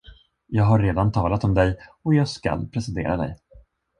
Jag har redan talat om dig, och jag skall presentera dig.